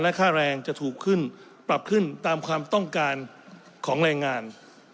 ค่าแรงจะถูกขึ้นปรับขึ้นตามความต้องการของแรงงาน